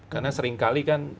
karena seringkali kan